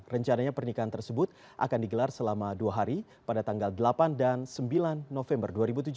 rencananya pernikahan tersebut akan digelar selama dua hari pada tanggal delapan dan sembilan november dua ribu tujuh belas